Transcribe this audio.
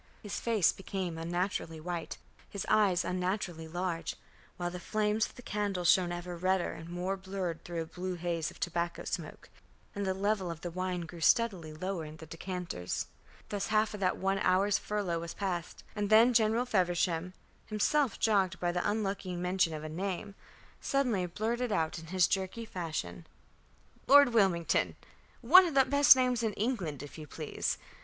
His face became unnaturally white, his eyes unnaturally large, while the flames of the candles shone ever redder and more blurred through a blue haze of tobacco smoke, and the level of the wine grew steadily lower in the decanters. Thus half of that one hour's furlough was passed; and then General Feversham, himself jogged by the unlucky mention of a name, suddenly blurted out in his jerky fashion: "Lord Wilmington. One of the best names in England, if you please.